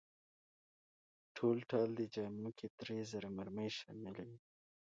ټولټال دې جامو کې درې زره مرۍ شاملې وې.